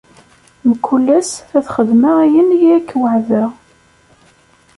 Mkul ass, ad xeddmeɣ ayen i ak-weɛdeɣ.